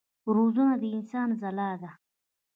روزنه د انسان ځلا ده.